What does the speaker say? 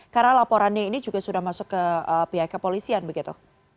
karena laporannya ini juga sudah masuk ke pihak kepolisian begitu